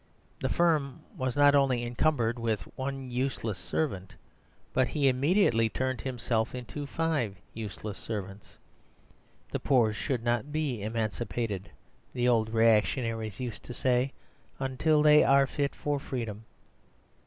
The firm was not only encumbered with one useless servant, but he immediately turned himself into five useless servants. "The poor should not be emancipated," the old reactionaries used to say, "until they are fit for freedom."